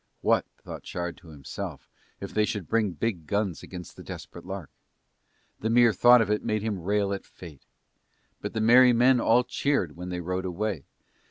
What, thought Shard to himself, if they should bring big guns against the Desperate Lark! And the mere thought of it made him rail at Fate. But the merry men all cheered when they rode away.